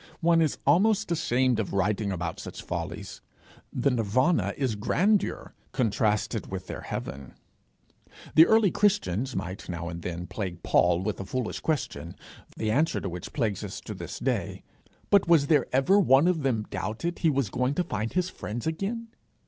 One is almost ashamed of writing about such follies. The nirvana is grandeur contrasted with their heaven. The early Christians might now and then plague Paul with a foolish question, the answer to which plagues us to this day; but was there ever one of them doubted he was going to find his friends again?